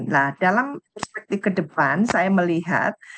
nah dalam perspektif ke depan saya melihat